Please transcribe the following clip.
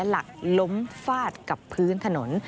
หลักล้มฟาดกับพื้นถนน